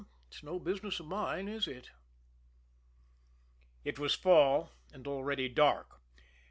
It's no business of mine, is it?" It was fall, and already dark.